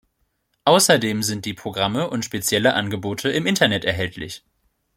Außerdem sind die Programme und spezielle Angebote im Internet erhältlich.